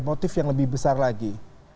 motif yang lebih besar lagi